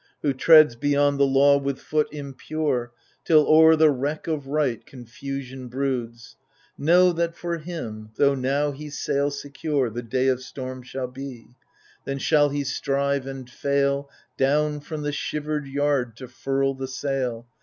Who treads beyond the law with foot impure, Till o'er the wreck of Right confusion broods, — Know that for him, though now he sail secure, The day of storm shall be ; then shall he strive and ikil Down from the shivered yard to furl the sail.